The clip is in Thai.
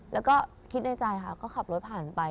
แล้วก็คิดในใจค่ะก็ขับรถผ่านไป